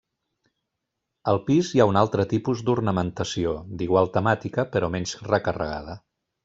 Al pis hi ha un altre tipus d'ornamentació, d'igual temàtica però menys recarregada.